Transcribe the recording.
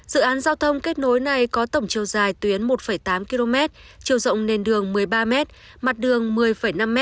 dự án giao thông kết nối này có tổng chiều dài tuyến một tám km chiều rộng nền đường một mươi ba m mặt đường một mươi năm m